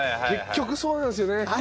結局そうなんですよね。